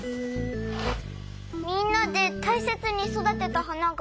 みんなでたいせつにそだてたはなが。